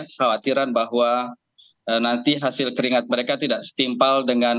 kekhawatiran bahwa nanti hasil keringat mereka tidak setimpal dengan